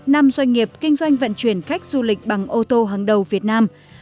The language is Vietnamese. một mươi năm doanh nghiệp kinh doanh vận chuyển khách du lịch bằng ô tô hàng đầu việt nam